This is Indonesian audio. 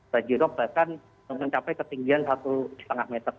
banjirop bahkan mencapai ketinggian satu lima meter